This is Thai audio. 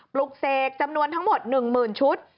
ปลุกเสกจำนวนทั้งหมด๑๐๐๐ชุด